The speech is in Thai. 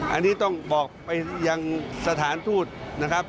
อันนี้ต้องบอกไปยังสถานทูตนะครับ